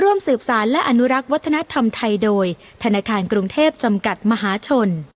ร่วมสืบสารและอนุรักษ์วัฒนธรรมไทยโดยธนาคารกรุงเทพจำกัดมหาชน